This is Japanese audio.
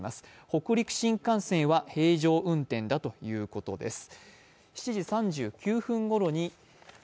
北陸新幹線は平常運転だということです。